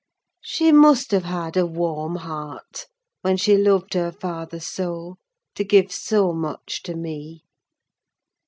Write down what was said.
She must have had a warm heart, when she loved her father so, to give so much to me.